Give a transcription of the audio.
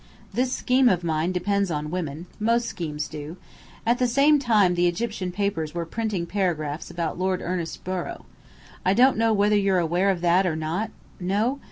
This scheme of mine depends on women. Most schemes do. At the same time the Egyptian papers were printing paragraphs about Lord Ernest Borrow. I don't know whether you're aware of that or not? No?